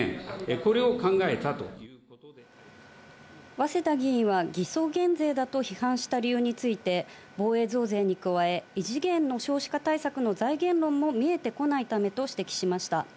早稲田議員は偽装減税だと批判した理由について、防衛増税に加え、異次元の少子化対策の財源論も見えてこないためと指摘しました。